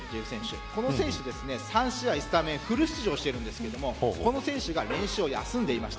この選手、３試合スタメン、フル出場しているんですけどこの選手が練習を休んでいました。